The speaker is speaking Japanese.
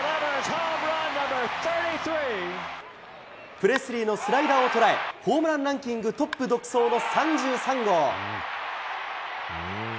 プレスリーのスライダーを捉え、ホームランランキングトップ独走の３３号。